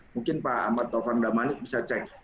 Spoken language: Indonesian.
mungkin pak amartofan damanik bisa cek